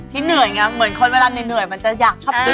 เหนื่อยไงเหมือนคนเวลาเหนื่อยมันจะอยากชอบกิน